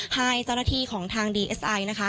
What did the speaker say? ให้เจ้าหน้าที่ของทางดีเอสไอนะคะ